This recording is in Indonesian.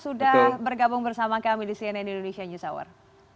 sudah bergabung bersama kami di cnn indonesia news hour